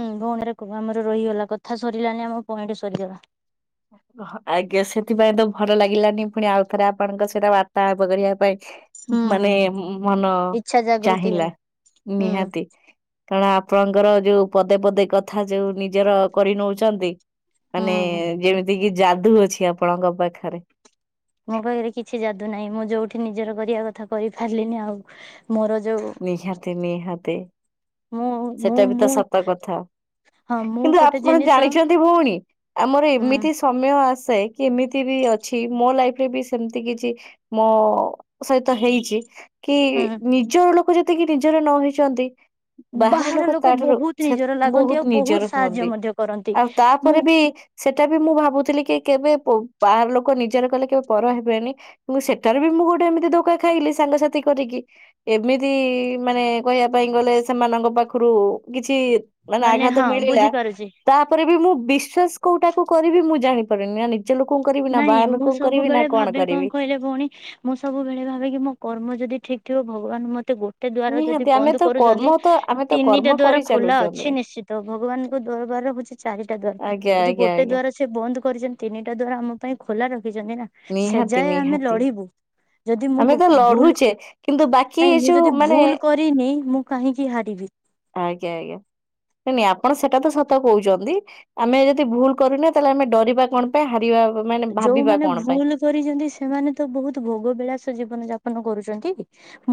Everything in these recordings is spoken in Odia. ହୁଁ ଭଉଣୀ [unintelligible] ଆମର ରହିଗଲା କଥା ସରିଲାନି ଆମ ପଏଣ୍ଟ ସରିଗଲା। ଆଜ୍ଞା ସେଥିପାଇଁ ତ ଭଲ ଲାଗିଲାନି ପୁଣି ଆଉଥରେ ଆପଣଙ୍କ ସହିତ ବାର୍ତ୍ତାଳାପ କରିବା ପାଇଁ ହୁଁ। ମାନେ ମନ ଇଚ୍ଛା ଜାଗୃତି ଚାହିଁଲା। ହେଲା ହୁଁ। ନିହାତି କାରଣ ଆପଣଙ୍କ ଙ୍କର ଯୋଉ ପଦ ପଦେ କଥା ଯେଉଁ ନିଜର କରିନଉଛନ୍ତି ମାନେ ହୁଁ। ଦିଗି ଯାଦୁ ଅଛି ଆପଣଙ୍କ ପାଖରେ ମୋ ପାଖରେ କିଛି ଯାଦୁ ନାହିଁ ମୁଁ ଯୋଉଠି ନିଜର କରିବା କଥା କରି ପାରିଲିନି ଆଉ। ମୋର ଯୋଉ ନିହାତି ନିହାତି ମୁଁ ମୁଁ ସେଇଟା ବି ତ ମୁଁ ସତ କଥା। ହଁ ମୁଁ କିନ୍ତୁ ଗୋଟେ ଆପଣ ଜିନିଷ ଜାଣିଛନ୍ତି ଭଉଣୀ ଆମର ହୁଁ ଏମିତି ସମୟ ଆସ ଆସେ କିମିତିବି ଅଛି ମୋ ଲାଇଫରେ ବି ସେମିତି କିଛି ମୋ ସହିତ ହେଇଛି। କି ହୁଁ ନିଜର ଲୋକ ଯେତିକି ନିଜର ନ ହେଇଛନ୍ତି। ବାହାର ଲୋକ ତା ଠାରୁ ବହୁତ ସେତ୍ ନିଜର ଲାଗନ୍ତି ବହୁତ ଆଉ ନିଜର ସାହାଯ୍ୟ ହୁଅନ୍ତି ମଧ୍ୟ କରନ୍ତି। ଆଉ ମୁଁ ତାପରେ ବି ସେଇଟା ବି ମୁଁ ଭାବୁଥିଲି କି? କି କେବେ ବୋ ବାହାର ଲୋକ ନିଜର କଲେ କେବେ ପର ହେବେନି କିନ୍ତୁ ସେଠାରେ ବି ମୁଁ ଗୋଟେ ଏମିତି ଧୋକା ଖାଇଲି। ସାଙ୍ଗସାଥି କରିକି ଏମିତି ମାନେ କହିବା ପାଇଁ ଗଲେ। ସେମାନଙ୍କ ପାଖରୁ କିଛି ମାନେ ଆଘାତ ହଁ ମିଳିଲା ବୁଝିପାରୁଛି ତାପରେ ବି ମୁଁ ବିଶ୍ଵାସ କୋଉଟା କୁ କରିବି ମୁଁ ଜାଣିପାରୁନି। ଲୋକଙ୍କୁ କରିବି ନା ନାଇଁ ବାହାର ମୁଁ ଲୋକଙ୍କୁ କରିବି ନା ସବୁବେଳେ ଭାବେ କଣ କରିବି। କହିଲେ ଭଉଣୀ ମୁଁ ସବୁବେଳେ ଭାବେ କିି ମୋ କର୍ମ ଯଦି ଠିକ୍ ଥିବ ଭଗବାନ ମତେ ଗୋଟ ଗୋଟେ ଦୁଆର ଯଦି ନିହାତି ଆମେ ବନ୍ଦ ତ କର୍ମ କରୁଛନ୍ତି ତ ଆମେ ତ ତିନିଟା କର୍ମ କରି ଦ୍ଵାର ଖୋଲା ଚାଲୁଚନ୍ତି। ଅଛି ନିଶ୍ଚିତ ଭଗବାନଙ୍କୁ ଦୁଆର ହଉଛି ଚାରିଟା ଦ୍ଵାର ଆଜ୍ଞା ଯଦି ଆଜ୍ଞା ଗୋଟେ ଆଜ୍ଞା ଦ୍ଵାର ସେ ବନ୍ଦ କରିଛନ୍ତି ତିନିଟା ଦ୍ଵାର ଆମ ପାଇଁ ଖୋଲା ରଖିଛନ୍ତି ନା ସେ ନିହାତି ଯାଏ ଆମେ ନିହାତି ଲଢିବୁ। ଯଦି ମୁଁ ଆମେ ବୁ ତ ଭୁଲ ଲଢୁଛେ। କିନ୍ତୁ ବାକି ଏ ନାଇଁ ମୁଁ ଯୋଉ ଯଦି ମାନେ ଭୁଲ କରିନି ମୁଁ କାହିଁକି ହାରିବି। ଆଜ୍ଞା ଆଜ୍ଞା ନାଇ ନାଇ ଆପଣ ସେତା ଟା ତ ସତ କହୁଛନ୍ତି ଆମେ ଯଦି ଭୁଲ କରୁନେ ତାହେଲେ ଆମେ ଡରିବା କଣ ପାଇଁ ହାରିବା ମାନେ ଭାବିବା ଯୋଉମାନେ କଣ ପାଇଁ। ଭୁଲ କରିଛନ୍ତି ସେମାନେ ତ ବହୁତ ଭୋଗ ବିଳାସ ଜୀବନ ଜାପନ କରୁଛନ୍ତି।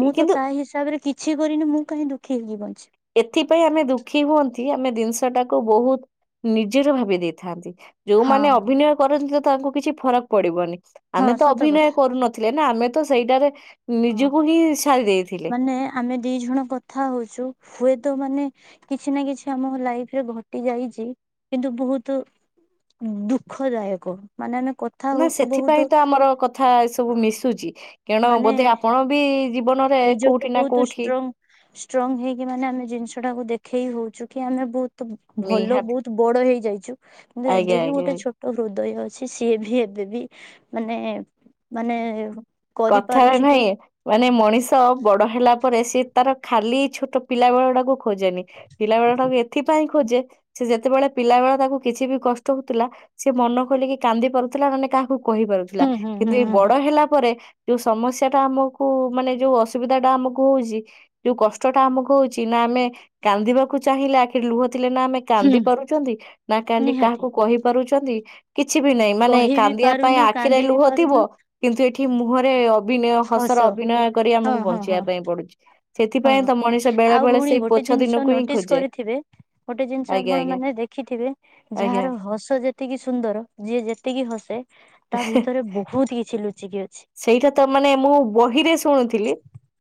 ମୁଁ ତ କିନ୍ତୁ ତା ହିସାବରେ କିଛି କରିନି ମୁଁ କାହିଁ ଦୁଖୀ ହେଇକି ବଞ୍ଚିବି। ଏଥିପାଇଁ ଆମେ ଦୁଃଖୀ ହୁଅନ୍ତି ଆମେ ଜିନିଷ ଟାକୁ ବହୁତ ନିଜେର ଭାବି ଦେଇଥାନ୍ତି। ହଁ ଯୋଉମାନେ ଅଭିନୟ କରନ୍ତି ତ ତାଙ୍କୁ କିଛି ଫରକ ପଡିବନି। ହଁ ଆମେ ତ ସତ ଅଭିନୟ କଥା କରୁନଥିଲେ ନା ଆମେ ତ ସେଇଟାରେ ହଁ ନିଜକୁ ହିଁ ସାରି ଦେଇଥିଲେ। ମାନେ ଆମେ ଦି ଜଣ କଥା ହଉଛୁ ହୁଏ। ତ ମାନେ କିଛି ନା କିଛି ଆମ ଲାଇଫ୍ ରେ ଘଟି ଯାଇଛି କିନ୍ତୁ ବୁହୁତୁ ଦୁଃଖଦାୟକ ମାନେ ଆମେ କଥା ନା ହଉଛୁ ସେଥିପାଇଁ ବହୁତ ତ ଆମର କଥା ଏ ସବୁ ମିଶୁଛି କେଣୁ ମାନେ ବୋଧେ ଆପଣ ବି ଜୀବନରେ କୋଉଠି ନିଜକୁ ନା କୋଉଠି ବହୁତଷ୍ଟ୍ରଙ୍ଗ ଷ୍ଟ୍ରଙ୍ଗ ହେଇକି ମାନେ ଆମେ ଜିନିଷ ଟାକୁ ଦେଖ ଖେଇ ହଉଛୁ କି ଆମେ ବହୁତ ତ ଭଲ ନିହାତି ବହୁତ ବଡ ହେଇ ଯାଇଛୁ କିନ୍ତୁ ଆଜ୍ଞା ଏବେ ବି ଆଜ୍ଞା ଆଜ୍ଞା। ଗୋଟେ ଛୋଟ ହୃଦୟ ଅଛି। ସେ ସିଏ ବି ଏବେ ବି ମାନେ ମାନେ କଥା ରେ କରିପାରୁଛି କି ନାହିଁ ମାନେ ମଣିଷ ବଡ ହେଲା ପରେ ସେ ତା ତାର ଖାଲି ଛୋଟ ପିଲା ବେଳ ଟାକୁ ଖୋଜେନି ପିଲାବେଳ ଟାକୁ ଏଥିପାଇଁ ଖୋଜେ ସେ ଯେତେବେଳେ ପିଲା ବେଳ ତାକୁ କିଛି ବି କଷ୍ଟ ହଉଥିଲା ସିଏ ମନ ଖୋଲିକି କାନ୍ଦି ପାରୁଥିଲା ମାନେ କାହାକୁ କହିପାରୁଥିଲା ହୁଁ ହୁଁ ହୁଁ କିନ୍ତୁ ଏଇ ହୁଁ ବଡ ହେଲା ପରେ ଯୋଉ ସମସ୍ୟା ଟା ଆମକୁ ମାନେ ଯୋଉ ଅସୁବିଧା ଟା ଆମକୁ ହଉଛି ଯୋଉ କଷ୍ଟ ଟା ଆମକୁ ହଉଛି ନା ଆମେ କାନ୍ଦିବାକୁ ଚାହିଁଲା ଆଖିର ଲୁହ ଥିଲେ ନା ଆମେ କାନ୍ଦି ହୁଁ ପାରୁଛନ୍ତି ନା କାନ୍ଦି ନିହାତି କାହାକୁ କହି ପାରୁଛନ୍ତି। କିଛି ବି ନାଇଁ ମାନେ କହିବି କାନ୍ଦିବା ପାଇଁ ପାରୁନୁ ଆଖିରେ କାନ୍ଦି ବି ଲୁହ ଥିବ ପାରୁନୁ କିନ୍ତୁ ଏଠି କି ମୁହଁରେ ଅଭିନୟ ହସ ହସର ଅଭିନୟ କରି ହଁ ଆମକୁ ହଁ ବଞ୍ଚିବା ହଁ ପାଇଁ ପଡୁଛି। ହଁ ସେଥିପାଇଁ ତ ମଣିଷ ବେଳେ ଆଉ ବେଳେ ଭଉଣୀ ସେଇ ଗୋଟେ ପୋଛ ଜିନିଷ ଦିନକୁ ହିଁ ନୋଟିସ ଖୋଜେ କରିଥିବେ ଗୋଟେ ଜିନିଷ ଆଜ୍ଞା ଆପଣ ଆଜ୍ଞା ମାନେ ଦେଖ ଦେଖିଥିବେ ଆଜ୍ଞା। ଯାହାର ହସ ଯେତିକି ସୁନ୍ଦର ଯିଏ ଯେତିକି ହସେ ତା ଭିତରେ ବହୁତ କିଛି ଲୁଚି ସେଇଟା ତ ମାନେ ମୁଁ ବହିରେ ଶୁଣୁଥିଲି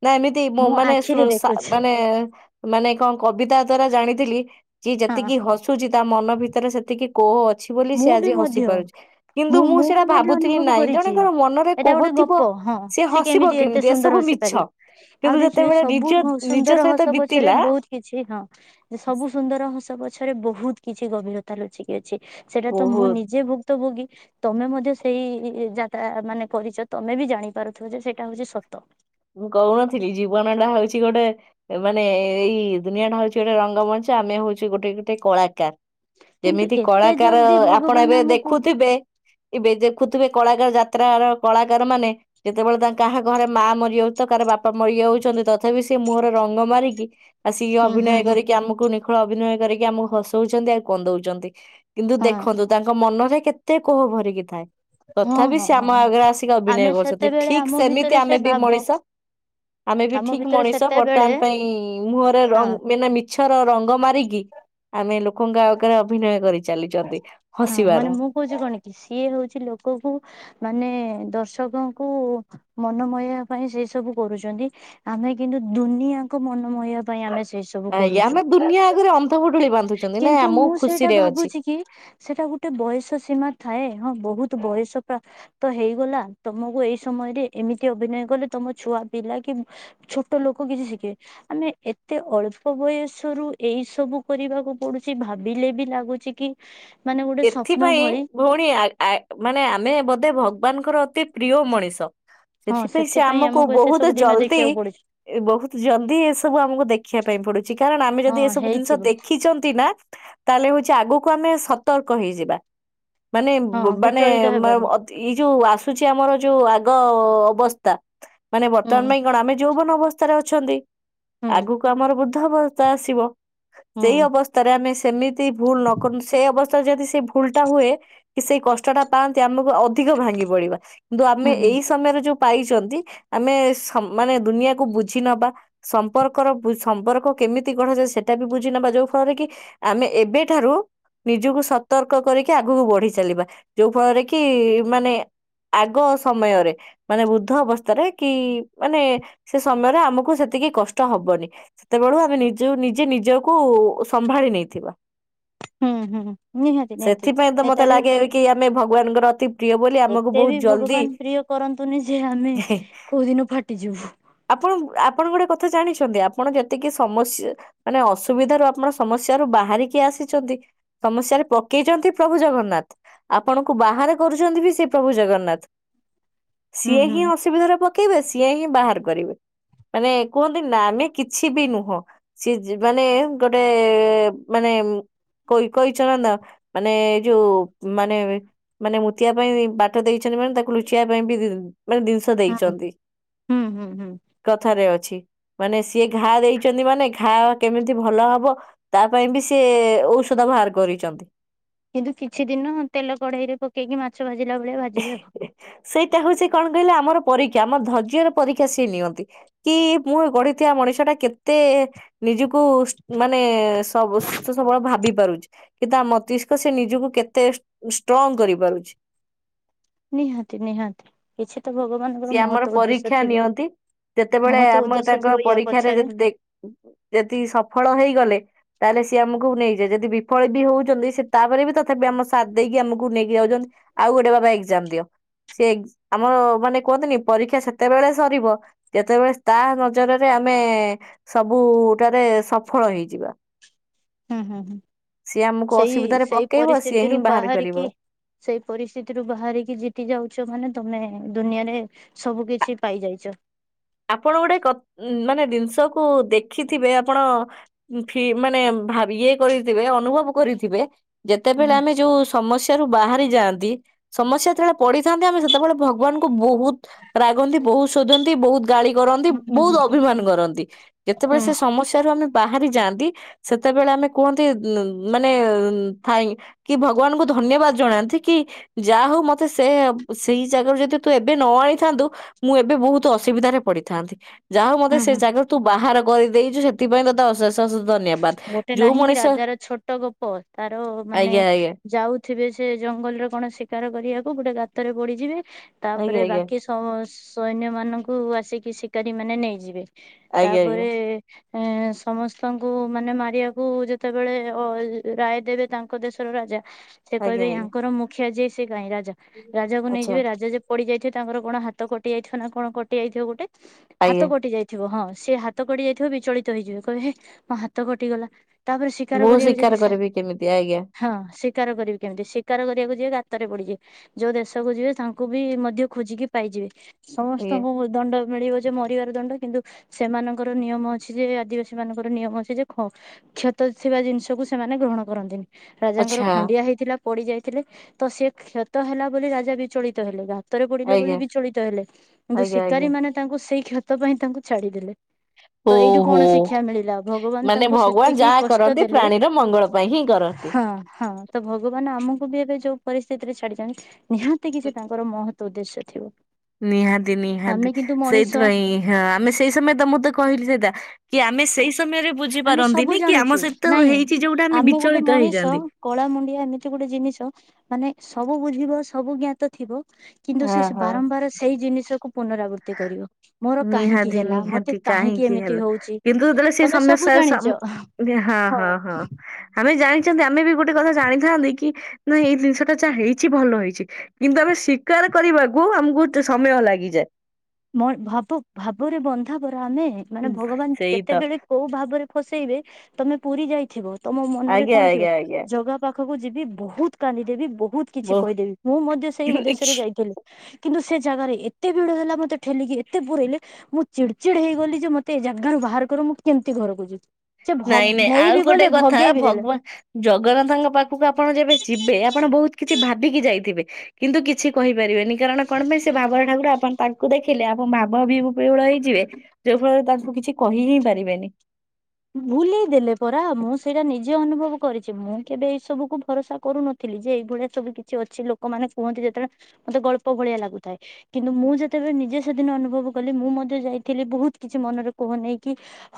ନା ଏମିତି ମୁଁ ମାନେ ଆଖିରେ ଦେଖୁଛି ମାନେ ମାନେ କଣ କବିତା ଦ୍ଵାରା ଜାଣିଥିଲି। କିିଏ ହଁ ଯେତିକି ହସୁଛି ତା ମନ ଭିତରେ ସେତିକି କୋହ ଅଛି। ଅଛି ବୋଲି ସେ ମୁଁ ବି ଆଜି ହସି ମଧ୍ୟ ପାରୁଛି କିନ୍ତୁ ମୁଁ ବି ସେଇଟା ମଧ୍ୟ ଭାବୁଥିଲି ଅନୁଭବ ନାଇଁ କରିଛି। ଜଣେଙ୍କର ମନରେ ଏଇଟା ଗୋଟେ ଗପ କୋହଥିବ ହଁ ସିଏ ସେ ହସିବ ଏତେ କେମିତି ସୁନ୍ଦର ଏସବୁ ହସି ପାରିବ ମିଛ ଆଉ କିନ୍ତୁ ଦେଖିବେ ଯେତେବେଳେ ସବୁ ନିଜ ନିଜେ ସୁନ୍ଦର ହସ ପଛରେ ବହୁତ କିଛି ହଁ ସବୁ ସୁନ୍ଦର ହସ ପଛରେ ବହୁତ କିଛି ଗଭୀରତା ଲୁଚିକି ଅଛି ସେଇଟା ତ ମୁଁ ବହୁତ ନିଜେ ସତ ଭୋଗୀ ତମେ ମଧ୍ୟ ସେଇ ଯାତ୍ରା ମାନେ କରିଛ ତମେ ବି ଜାଣିପାରୁଥିବ ଯେ ସେଇଟା ହଉଛି ସତ। ମୁଁ କହୁନଥିଲି ଜୀବନ ଟା ହଉଛି ଗୋଟେ ମାନେ ଏଇ ଦୁନିଆ ଟା ହଉଛି ଗୋଟେ ରଙ୍ଗମଞ୍ଚ। ଆମେ ହଉଛ ଗୋଟେ ଗୋଟେ କଳାକାର। କିନ୍ତୁ ଯେମିତି ଏତେ କଳାକାର ଜଲଦି ଆପଣ ଭଗବାନ ଏବେ ଆମକୁ ଦେଖୁଥିବେ ଏବେ ଦେଖୁଥିବେ କଳାକାର ଯାତ୍ରା କଳାକାର ମାନେ ଯେତେବେଳେ ତା କାହା ଘରେ ମା ମରିଥିବ କାର ବାପା ମରିଯାଉ ଛନ୍ତି ତଥାପି ସେ ମୁହଁରେ ହ ରଙ୍ଗମାରିକି ଆଉ ସିଏ ହୁଁ ଅଭିନୟ ହୁଁ ହୁଁ କରିକି ଆମକୁ ଅଭିନୟ କରିକି ଆମକୁ ହସଉଛନ୍ତି ଆଉ କନ୍ଦଉଛନ୍ତି କିନ୍ତୁ ହଁ ଦେଖନ୍ତୁ ତାଙ୍କ ମନ ରେ କେତେ କୋହ ଭରିକି ଥାଏ। ହଁ ତଥାପି ହଁ ସେ ଆମ ହଁ ହଁ ଆଗେରେ ଆସିକି ଅଭିନୟ ଆମେ କରୁଛନ୍ତି ସେତେବେଳେ ଠିକ୍ ଆମ ସେମିତି ଭିତରେ ସେ ଆମେ ବି ଭାବ ମଣିଷ ଆମେ ବି ଆମ ଠିକ୍ ଭିତରେ ମଣିଷ ସେତେବେଳେ ବର୍ତ୍ତମାନ ପାଇଁ ମୁହଁରେ ର ହଁ ବିନା ମି ଛର ରଙ୍ଗ ମାରିକି ଆମେ ଲୋକଙ୍କ ଆଗରେ ଅଭିନୟ କରି ଚାଲିଛନ୍ତି ହଁ ହସିବାର ମାନେ ମୁଁ କହୁଚି କଣ କି ସିଏ ହଉଛି ଲୋକକୁ ମାନେ ଦର୍ଶକଙ୍କୁ ମନ ମୋହିଆ ପାଇଁ ସେ ସବୁ କରୁଚନ୍ତି। ଆମେ କିନ୍ତୁ ଦୁନିଆ କୁ ମନ ମୋହିଆ ପାଇଁ ଆମେ ସେଇ ସବୁ ଆଜ୍ଞା କରୁଛୁ। ଆମେ ଦୁନିଆ ଆଗରେ ଅନ୍ଧ ପୁଟୁଳି କିନ୍ତୁ ମୁଁ ସେଇଟା ଭାବୁଛି କି ସେଇଟା ଗୋଟେ ବୟସ ସୀମା ଥାଏ ହଁ ବହୁତୁ ବୟସ ପ୍ରା ତ ହେଇଗଲା ତମକୁ ଏଇ ସମୟରେ ଏମିତି ଅଭିନୟ କଲେ ତ ଆମ ଛୁଆ ପିଲା କି ଛୋଟ ଲୋକ କିଛି ଶିଖିବେ। ଆମେ ଏତେ ଅଳ୍ପ ବୟସରୁ ଏଇ ସବୁ କରିବାକୁ ପଡୁଛି ଭାବିଲେ ବି ଲାଗୁଛି କି ମାନେ ଗୋଟେ ସ୍ୱପ୍ନ ଏଥିପାଇଁ ଭଳି ଭଉଣୀ ଆ ଆ ମାନେ ଆମେ ବୋଧେ ଭଗ ଭଗବାନ ଙ୍କର ଅତି ପ୍ରିୟ ମଣିଷ ହଁ ସେଥିପାଇଁ ସେ ଆମକୁ ଏତେ ବହୁତୁ ସବୁ ଦିନ ଜଲଦି ଦେଖିବାକୁ ପଡୁଛି ଏ ବହୁତୁ ଜଲଦି ଏସବୁ ଆମୁକୁ ଦେଖିଆ ପାଇଁ ପଡୁଛି କାର ଣ ଆମେ ହଁ ଯଦି ଏସବୁ ଜିନିଷ ହେଇଥିବ ଦେଖିଛନ୍ତି ନା ତାହେଲେ ହଉଛି ଆଗକୁ ଆମେ ସ ତର୍କ ହେଇଯିବା। ମାନେ ହଁ ବ ମାନେ ବିଚଳିତ ମ ହେବାନି ଅଧି ଇ ଯୋଉ ଆସୁଛି ଆମର ଯୋଉ ଆଗ ଅବସ୍ଥା ମାନେ ହୁଁ ବର୍ତ୍ତମାନ ପାଇଁ କଣ ଆମେ ଯୌବନ ଅବସ୍ଥାରେ ଅଛନ୍ତି। ହୁଁ ଆଗୁକୁ ଆମର ବୁଦ୍ଧ ଅବସ୍ଥା ଆସିବ। ହୁଁ ସେଇ ଅବସ୍ଥାରେ ଆମେ ସେମିତି ଭୁଲ ନକରୁ ସେଇ ଅବ କି ସେଇ କଷ୍ଟଟା ପାଆନ୍ତି ଆମକୁ ଅଧିକ ଭାଙ୍ଗି ପଡିବା କିନ୍ତୁ ଆମେ ହୁଁ ହୁଁ ଏଇ ସମୟରେ ଯୋଉ ପାଇଚନ୍ତି ଆମେ ସ ମାନେ ଦୁନିଆକୁ ବୁଝି ନବା ସମ୍ପର୍କର ବୁ ସମ୍ପର୍କ କେମିତି ଗଢାଯାଏ ସେଟା ବି ବୁଝି ନବା ଯୋଉ ଫଳରେ କି ଆମେ ଏବେ ଠାରୁ ନିଜୁକୁ ସତର୍କ କରିକି ଆଗୁକୁ ବଢି ଚାଲିବା ଯୋଉ ଫଳରେ କି ମାନେ ଆଗ ସମୟରେ ମାନେ ବୃଦ୍ଧ ଅବସ୍ଥାରେ କି ମାନେ ସେ ସମୟରେ ଆମକୁ ସେତେ ଏତିକି କଷ୍ଟ ହବନି। ସେତେବେଳୁ ଆମେ ନିଜକୁ ନିଜେ ନିଜକୁ ସମ୍ଭାଳି ନେଇଥିବା। ହୁଁ ହୁଁ। ନିହାତି ନିହାତି ସେଥିପାଇଁ ତ ଏଟା ମତେ ବି ଲାଗେ କି ଆମେ ଭଗବାନଙ୍କର ଅତି ପ୍ରିୟ ବୋଲି ଆମକୁ ଏତେ ବହୁତ ବି ଜଲଦି ଭଗବାନ ପ୍ରିୟ କରନ୍ତୁନି ଯେ ଆମେ କୋଉ ଦିନ ଫାଟିଯିବୁ। ଆପଣଙ୍କୁ ଆପଣଙ୍କୁ ଗୋଟେ କ ତ ଜାଣିଛନ୍ତି ଆପଣ ଯେତିକି ସମସ୍ ମାନେ ଅସୁବିଧା ରୁ ଆପଣ ସମସ୍ୟାରୁୁ ବାହାରିକି ଆସିଛନ୍ତି। ସମସ୍ୟାରେ ପକେଇଚନ୍ତି ପ୍ରଭୁ ଜଗନ୍ନାଥ ଆପଣଙ୍କୁ ବାହାରେ କରୁଛନ୍ତି ବି ସେ ପ୍ରଭୁ ଜଗନ୍ନାଥ। ହୁଁ ସିଏ ହୁଁ ହିଁ ଅସୁବିଧାରେ ପକେଇବେ ସିଏ ହିଁ ବାହାର କରିବେ। ମାନେ କୁହନ୍ତି ନା ଆମେ କିଛି ବି ନୁହଁ। ସିଏ ଜି ମାନେ ଗୋଟେ ମାନେ ଉଁ କଇ କହିଛ ନା ତ ମାନେ ଏ ଯୋଉ ମାନେ ମାନେ ମୁତିଆ ପାଇଁ ବାଟ ଦେଇଛନ୍ତି ମାନେ ତାକୁ ଲୁଚିଆ ପାଇଁ ବି ମାନେ ଜି-ଜିନିଷ ହୁଁ ଦେଇଚନ୍ତି। ହୁଁ ହୁଁ ହୁଁ କଥାରେ ଅଛି। ମାନେ ସିଏ ଘାଆ ଦେଇଚନ୍ତି ମାନେ ଘାଆ କେମିତି ଭଲ ହବ ତା ପାଇଁ ବି ସିଏ ଔଷ ଧ ବାହାର କରିଚନ୍ତି। କିନ୍ତୁ କିଛି ଦିନ ତେଲ କଢେଇ ରେ ପକେଇକି ମାଛ ଭାଜିଲା ଭଳିଆ ଭାଜିବେ ଆଉ ହେ ସେଇଟା ହଉଛି କଣ କହିଲେ ଆମର ପରୀକ୍ଷା ଆମ ଧୈର୍ଯ୍ୟର ପରୀକ୍ଷା ସିଏ ନିଅନ୍ତି କି ମୁଁ ଗଢିଥିବା ମଣିଷ ଟା କେତେ ନିଜୁକୁ କୁ ମାନେ ସବୁ ସୁସ୍ଥ ସବଳ ଭାବି ପାରୁ ଛି କି ତା ମସ୍ତିଷ୍କ ସେ ନିଜୁକୁ କେତେ ଉଁ ଷ୍ଟ୍ରଙ୍ଗ କରି ପାରୁଛି। ନିହାତି ନିହାତି। କିଛି ତ ସିଏ ଭଗବାନଙ୍କର ଆମର ମହତ୍ଵ ଉଦ୍ଦେଶ୍ୟ ପରୀକ୍ଷା ଥିବ। ନିଅନ୍ତି। ଯେତେବେଳେ ମହତ ଆମେ ଉଦ୍ଦେଶ୍ୟ ତାଙ୍କ ଥିବ ୟା ପରୀକ୍ଷାରେ ପଛରେ ଯଦି ଦେ ଯେଦି ସଫଳ ହେଇଗଲେ ତାହେଲେ ସିଏ ଆମୁକୁ ନେଇଯାଏ ଯେଦି ବିଫଳ ବି ହଉଚନ୍ତି ସିଏ ତାପରେ ବି ତଥାପି ଆମ ସାତ୍ ଦେଇକି ଆମୁକୁ ନେଇକି ଯାଉ ଚନ୍ତି ଆଉ ଗୋଟେ ବାବା ଏକ୍ଜାମ ଦିଅ। ସିଏ ଏ ଆମର ମାନେ କୁହନ୍ତିନି ପରୀକ୍ଷା ସେତେବେଳେ ସରିବ ଯେତେବେଳେ ତା ନଜରରେ ଆମେ ସବୁଟାରେ ସଫଳ ହେଇଯିବା। ହୁଁ ହୁଁ ହୁଁ। ସିଏ ଆମକୁ ସେଇ ଅସୁବିଧାରେ ସେଇ ପକେଇବ ସିଏ ହିଁ ପରିସ୍ଥିତିରୁ ବାହାର କରିବ ବାହାରିକି ସେଇ ପରିସ୍ଥିତିରୁ ବାହାରିକି ଜିତି ଯାଉଛ ମାନେ ତମେ ଦୁନିଆରେ ସବୁ କିଛି ପାଇଯାଇଚ। ଆପଣ ଗୋଟେ କଥ ମାନେ ଜିନିଷକୁ ଦେଖିଥିବେ ଆପଣ ଫ୍ରି ମାନେ ଭାବ ଇଏ କରିଥିବେ ଅନୁଭବ କରିଥିବେ ହୁଁ ଯେତେବେଳେ ଆମେ ଯୋଉ ସମସ୍ୟା ବାହାରି ଯାନ୍ତି ସମସ୍ୟା ଯେତେବେଳେ ପଡିିଥାନ୍ତି ଆମେ ସେତେବେଳେ ଭଗବାନଙ୍କୁ ବହୁତ ରାଗନ୍ତି ବ ବହୁତ ଶୋଧନ୍ତି ବହୁତ ଗାଳି କରନ୍ତି ହୁଁ ବହୁତ ଅଭିମାନ କରନ୍ତି ଯେତେବେଳେ ହୁଁ ସେ ସମସ୍ୟାରୁ ଆମେ ବାହାରି ଯାଆନ୍ତି ସେତେବେଳେ ଆମେ କୁହନ୍ତି ଉଁ ଉଁ ମାନେ ଉଁ ଥାଇଁ କି ଭଗବାନଙ୍କୁ ଧ ଧନ୍ୟବାଦ ଜଣାନ୍ତି କି ଯାହା ହଉ ମତେ ସେ ସେଇ ଜାଗାରୁ ଯଦି ତୁ ଏବେ ନ ଆଣିଥାନ୍ତୁ ମୁଁ ଏବେ ବହୁତ ଅସୁବିଧାରେ ପଡିଥାନ୍ତି ଯାହା ମୋତେ ସେ ହୁଁ ଜାଗାରେ ତୁ ବାହାର କରିଦେଇଛୁ ସେଥିପାଇଁ ତୋତେ ଅଶେଷ ଅଶେଷ ଧନ୍ୟବାଦ । ଗୋଟେ ନାହିଁ କିି ରାଜାର ଛୋଟ ଗପ ତାର ମାନେ ଆଜ୍ଞା ଆଜ୍ଞା ଯାଉଥିବେ ସେ ଜଙ୍ଗଲରେ କଣ ଶିକାର କରିବାକୁ ଗୋଟେ ଗାତରେ ପଡିଯିବେ ଆଜ୍ଞା ତାପରେ ବାକି ସ ସ ସୈନ୍ୟ ମାନଙ୍କୁ ଆସିକି ଶିକାରୀ ମାନେ ନେଇଯିବେ ଆଜ୍ଞା ଆଜ୍ଞା ଆଜ୍ଞା ତାପରେ ଏଁ ସମସ୍ତେ ତାଙ୍କୁ ମାନେ ମାରିବାକୁ ଯେତେବେଳେ ଅ ରାୟ ଦେବେ ତାଙ୍କ ଦେଶର ରାଜା ସେ ଆଜ୍ଞା କହିବେ ଆଜ୍ଞା। ୟାଙ୍କର ମୁଖିଆ ଯେ ସେ କାହିଁ ରାଜା ରାଜାକୁ ଆଚ୍ଛା ନେଇଯିବେ ରାଜା ଯେ ପଡି ଯାଇଥିବେ ତାଙ୍କର କଣ ହାତ କଟି ଯାଇଥିବ ନା କଣ କଟି ଯାଇଥିବ ଗୋଟେ ହାତ ଆଜ୍ଞା କଟି ଯାଇଥିବ ହଁ ସେ ହାତ କଟି ଯାଇଥିବ ବିଚଳିତ ହେଇଯିବେ କହିବେ ମୋ ହାତ କଟିଗଲା ତାପରେ ଶିକାର ମୁଁ କରିବାକୁ ଯାଇଚି ସ୍ଵୀକାର ସେ କରିବି କେମିତି ଆଜ୍ଞା ହଁ ଶିକାର କରିବି କେମିତି ଶିକାର କରିବାକୁ ଯିବ ଗାତରେ ପଡିଯିବେ । ଯୋଉ ଦେଶକୁ ଯିବେ ତାଙ୍କୁ ବି ମଧ୍ୟ ଖୋଜିକି ପାଇଯିବେ ଆଜ୍ଞା। ସମସ୍ତଙ୍କୁ ଦଣ୍ଡ ମିଳିବ ଯେ ମରିବାର ଦଣ୍ଡ କିନ୍ତୁ ସେମାନଙ୍କର ନିୟମ ଅଛି ଯେ ଆଦିବାସୀ ମାନଙ୍କ ର ନିୟମ ଅଛି ଯେ ଖ କ୍ଷତ ଥିବା ଜିନିଷକୁୁ ସେମାନେ ଗ୍ରହଣ କରନ୍ତିନି । ରାଜାଙ୍କର ଆଚ୍ଛା ଖଣ୍ଡିଆ ହେଇଥିଲା ପଡି ଯାଇଥିଲେ ତ ସେ କ୍ଷତ ହେଲା ବୋଲି ରାଜା ବିଚଳିତ ହେଲେ ଗା କ୍ଷତରେ ପଡିଲେ ବୋଲି ଆଜ୍ଞା ବିଚଳିତ ହେଲେ କିନ୍ତୁ ଆଜ୍ଞା ଆଜ୍ଞା ଶିକାରୀମାନୋନେ ତାଙ୍କୁ ସେଇ କ୍ଷତ ପାଇଁ ତାଙ୍କୁ ଛାଡିଦେଲେ । ତ ଏଇଠୁ ଓହୋ। କଣ ଶିକ୍ଷା ମିଳି ଭଗବାନ ମାନେ ତାଙ୍କୁ ଭଗବାନ ସେତିକି ଯାହା କଷ୍ଟ କରନ୍ତି ଦେଲେ ପ୍ରାଣୀର ମଙ୍ଗଳ ପାଇଁ ହିଁ କରନ୍ତି। ହଁ ହଁ ତ ଭଗବାନ ଆମକୁ ବି ସେ ଯୋଉ ପରିସ୍ଥିତି ରେ ଛାଡିଛନ୍ତି ନିହାତି କି ସେ ତାଙ୍କର ମହତ ଉଦ୍ଦେଶ୍ୟ ଥିବ । ନିହାତି ନିହାତି ସେଇଥିପାଇଁ ହଁ ଆମେ ସେଇ ସମୟ ତ ମୁଁ ତ କହିଲି ସେଇଟା କି ଆମେ ସେଇ ସମୟରେ ବୁଝି ଆମେ ସବୁ ପାରନ୍ତିନି କି ଜାଣୁଛୁ ଆମ ସହିତ ନାଇଁ ହେଇଚି ଯୋଉଟା ଆମେ ଗୋଟେ ବିଚଳିତ ମଣିଷ ହେଇଯାନ୍ତି । କଳା ମୁଣ୍ଡିଆ ଏମିତି ଗୋଟେ ଜିନିଷ ମାନେ ସବୁ ବୁଝିବ ସବୁ ଜ୍ଞାତ ଥିବ କିନ୍ତୁ ସେ ବାରମ୍ବାର ସେଇ ଜିନିଷକୁ ପୁନରାବୃତ୍ତି କରିବ। ମୋର କାହିଁକି ନିହାତି ହେଲା ମତେ ନିହାତି କାହିଁକି ଏମିତି ହେଲ ହଉଛି କିନ୍ତୁ ଯେତେବେଳେ ସେ ତମେ ଆମେ ସବୁ ସେ ଜାଣିଛ ସମ ବି ହଁ ହଁ ହଁ ଆମେ ଜାଣିଛନ୍ତି ଆମେ ବି ଗୋଟେ ଗୋଟେ କଥା ଜାଣିଥାନ୍ତି କି ନାଇଁ ଏଇ ଜିନିଷ ଟା ଯାହା ହେଇଛି ଭଲ ହେଇଛି କିନ୍ତୁ ଆମେ ଶୀକାର କରିବାକୁ ଆମକୁ ଟ ସମୟ ଲାଗିଯାଏ। ମଣ ଭାବ ଭାବରେ ବନ୍ଧାପରା ଆମେ ମାନେ ଭଗବାନ ସେଇ ତ କେତେବେଳେ କୋଉ ଭାବରେ ଫସେଇବେ ତମେ ପୁରୀ ଯାଇଥିବ ତମ ମନରେ ଆଜ୍ଞା କଣ ଥିବ ଆଜ୍ଞା ଆଜ୍ଞା ଜଗା ପାଖ ପାଖକୁ ଯିବି ବହୁତ କାନ୍ଦିଦେବି ବହୁତ କିଛି କହିଦେବି ମୁଁ ମଧ୍ୟ ସେଇ ବହୁ ଉଦ୍ଦେଶ୍ୟରେ ଯାଇଥିଲି କିନ୍ତୁ ସେ ଜାଗାରେ ଏତେ ଭିଡ ହେଲା ମତେ ଠେଲିକି ଏତେ ପୁର ହେଇଲେ ମୁଁ ଚିଡ ଚିଡ ହେଇଗଲି ଯେ ମତେ ତେ ଜାଗାରୁ ବାହାର କର ମୁଁ କେମିତି ଘରକୁ ଯିବି ସେ ଭ ନାଇଁ ନାଇଁ ନେଇ ଆଉ ବିି ଗୋଟେ ଗଲେ କଥା ଭଗେଇ ବି ଦେଲେ। ଭଗବାନ ଜଗନ୍ନାଥଙ୍କ ପାଖକୁ ଆପଣ ଯେବେ ଯିବେ ଆପଣ ବହୁତ କିଛି ଭାବିକି ଯାଇଥିବେ କିନ୍ତୁ କିଛି କହିପାରିବେନି କାରଣ କଣ ପାଇଁ ସେ ଭାବର ଠାକୁର ଆପଣ ତାଙ୍କୁ ଦେଖୀ ଥିଲେ ଆପ ଭାବ ବିହୁ ବିହୁଳ ହେଇଯିବେ ଯୋଉ ଫଳରେ ତାଙ୍କୁ କିଛି କହି ହିଁ ପାରିବେନି। ଭୁଲି ଦେଲେ ପରା ମୁଁ ସେଇଟା ନିଜେ ଅନୁଭବ କରିଛି ମୁଁ କେବେ ଏଇ ସବୁକୁ ଭରସା କରୁନଥିଲି। ଯେ ଏଇଭଳିଆ ସବୁ କିଛି ଅଛି ଲୋକମାନୋନ କୁହନ୍ତି ଯେତେବେଳେ ମତେ ଗଳ୍ପ ଭଳିଆ ଲାଗୁଥାଏ କିନ୍ତୁ ମୁଁ ଯେତେବେଳେ ନିଜେ ସେଦିନ ଅନୁଭବ କଲି ମୁଁ ମଧ୍ୟ ଯାଇଥିଲି ବହୁତ କିଛି ମନରେ କିହ ନେଇକି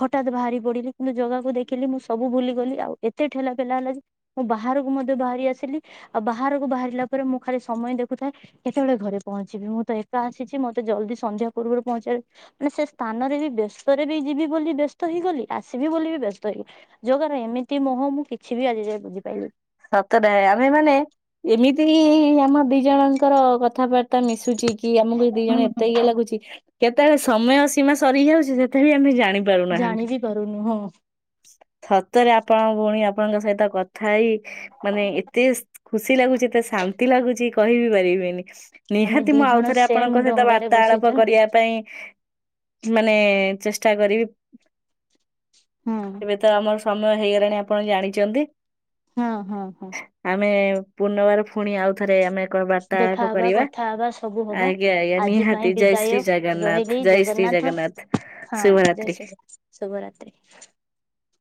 ହଠାତ୍ ବାହାରି ପଢିଲି କିନ୍ତୁ ଜାଗାକୁ ଦେଖିଲି ମୁଁ ସବୁ ଭୁଲିଗଲି ଆଉ ଏତେ ଠେଲା ପେଲା ହେଲା ଯେ ମୁଁ ବାହାରକୁ ମଧ୍ୟ ବାହାରି ଆସି ଲି ଆଉ ବାହାରକୁ ବାହାରିଲା ପରେ ମୁଁ ଖାଲି ସମୟ ଦେଖୁଥାଏ କେତେବେଳେ ଘରେ ପହଞ୍ଚିବି ମୁଁ ତ ଏକା ଆସିଛି ମତେ ଜଲ୍ଦି ସନ୍ଧ୍ୟା ପୂର୍ବରୁ ପହଞ୍ଚ ମାନେ ସେ ସ୍ଥାନରେ ବି ବ୍ୟସ୍ତରେ ବି ଯିବି ବୋଲି ବ୍ୟସ୍ତ ହେଇଗଲି। ଆସିବି ବୋଲି ବି ବ୍ୟସ୍ତଇ ଯୋଗାର ଏମିତି ମୁହଁ ମୁଁ କିଛି ବି ଆଜି ବୁଝିପାଇଲିି। ସତଟା ଆମେ ମାନେ ଏମିତି ଆମ ଦି ଜଣଙ୍କର କଥାବାର୍ତ୍ତା ମିଶୁଛି। କି ଆମକୁ ଦି ଜଣ ହୁଁ ହୁଁ। ଏତେ ଇଏ ଲାଗୁଛି କେତେବେଳେ ସମୟ ସୀମା ସରି ଯାଉଛି ସେତେବେ ବି ଆମେ ଜାଣି ଆଣି ପାରୁନାହାନ୍ତି। ଜାଣି ବିି ପାରୁନୁ ହଁ ସତରେ ଆପଣ ଭଉଣୀ ଆପଣଙ୍କ ସହିତ କଥା ହେଇ ମାନେ ଏତେ ଖୁସି ଲାଗୁଛି ଏତେ ଶାନ୍ତି ଲାଗୁଛି କହିିବି ପାରିବିନି। ଆମେ ନିହାତି ଦି ମୁଁ ଆଉ ଜଣ ଥରେ ସେମ ଆପଣଙ୍କ ସହିତ ଡଙ୍ଗାରେ ବାର୍ତ୍ତା ବସିଛୁ ଆଳାପ ନା କରିବା ପାଇଁ ମାନେ ଚେଷ୍ଟା କରିବି ହୁଁ। ଏବେ ତ ଆମର ସମ୍ ହେଇଗରାଣି ଆପଣ ଜାଣିଛନ୍ତି। ହଁ ହଁ ହଁ। ପୁର୍ନରବାର ପୁଣି ଆଉଥରେ ଆମେ କ ଦେଖା ବାର୍ତ୍ତାଳାପ ହବା କରିବା କଥା ହବା ସବୁ ହବା ଆଜ୍ଞା ଆଜ୍ଞା ଆଜି ପାଇଁ ନିହାତି ଜୟ ବିଦାୟ ଶ୍ରୀ ଜଗନ୍ନାଥ ରହିଲି ଜୟ ଶ୍ରୀ ଜଗନ୍ନାଥ ଜଗନ୍ନାଥ ହଁ ଜୟ ଶ୍ରୀ ଶୁଭରାତ୍ରୀ। ହ